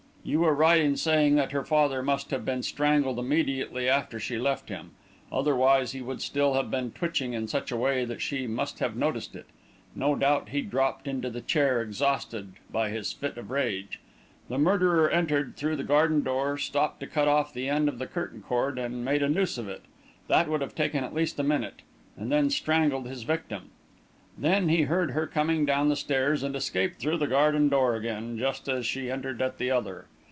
You were right in saying that her father must have been strangled immediately after she left him. Otherwise he would still have been twitching in such a way that she must have noticed it. No doubt he dropped into the chair exhausted by his fit of rage; the murderer entered through the garden door, stopped to cut off the end of the curtain cord and make a noose of it that would have taken at least a minute and then strangled his victim. Then he heard her coming down the stairs, and escaped through the garden door again just as she entered at the other.